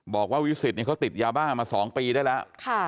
บอกว่าวิสิทธิ์เนี่ยเขาติดยาบ้ามา๒ปีได้แล้ว